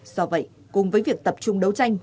do vậy cùng với việc tập trung đấu tranh